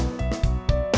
oke sampai jumpa